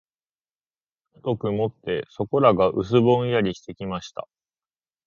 ふと曇って、そこらが薄ぼんやりしてきました。